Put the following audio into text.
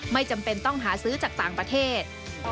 ไม่จำเป็นต้องหาซื้อจากต่างประเทศ